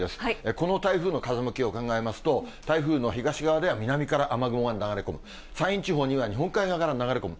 この台風の風向きを考えますと、台風の東側では南から雨雲が流れ込む、山陰地方には日本海側から流れ込む。